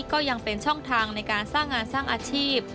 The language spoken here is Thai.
ก็ยังเป็นช่องทางในการสร้างงานสร้างอาชีพ